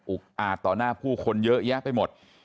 อาจต่อหน้าผู้คนเยอะแยะไปหมด